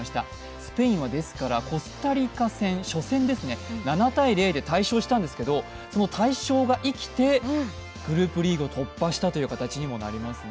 スペインは、ですからコスタリカ戦、初戦ですね、７−０で大勝したんですが、その大勝が生きてグループリーグを突破したという形にもなりますね。